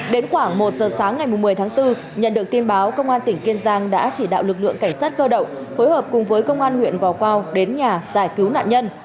đến khoảng một giờ sáng ngày một mươi tháng bốn nhận được tin báo công an tỉnh kiên giang đã chỉ đạo lực lượng cảnh sát cơ động phối hợp cùng với công an huyện gò quao đến nhà giải cứu nạn nhân